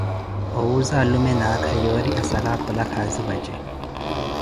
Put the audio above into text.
Owuuza alume ni aakha yoori asala akhola khaazi za vace.